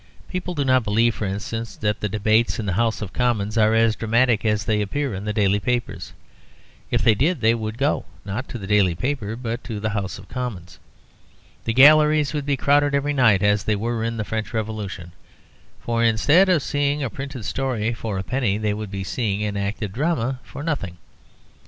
People do not believe, for instance, that the debates in the House of Commons are as dramatic as they appear in the daily papers. If they did they would go, not to the daily paper, but to the House of Commons. The galleries would be crowded every night as they were in the French Revolution; for instead of seeing a printed story for a penny they would be seeing an acted drama for nothing.